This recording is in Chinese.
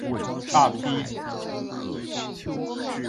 大批原效忠于伪满洲国及日本政权的人物选择投靠于国民政府。